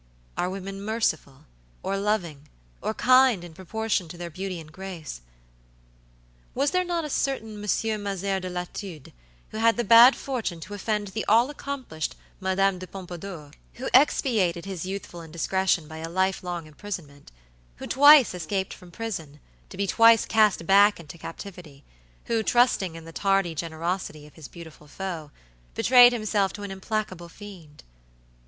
Are women merciful, or loving, or kind in proportion to their beauty and grace? Was there not a certain Monsieur Mazers de Latude, who had the bad fortune to offend the all accomplished Madam de Pompadour, who expiated his youthful indiscretion by a life long imprisonment; who twice escaped from prison, to be twice cast back into captivity; who, trusting in the tardy generosity of his beautiful foe, betrayed himself to an implacable fiend?